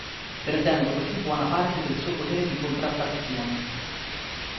Perdendo così buona parte del suo potere di contrattazione.